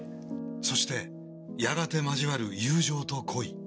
そしてやがて交わる友情と恋。